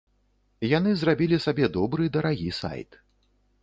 Яны зрабілі сабе добры, дарагі сайт.